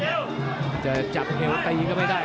เดาเจอจัดเอวตีก็ไม่ได้